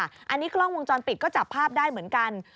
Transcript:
อันนี้กล้องวงจรปิดก็จับภาพได้เหมือนกัน